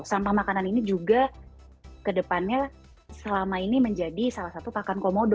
sampah makanan ini juga kedepannya selama ini menjadi salah satu pakan komodo